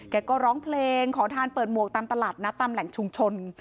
ก็ร้องเพลงขอทานเปิดหมวกตามตลาดนัดตามแหล่งชุมชน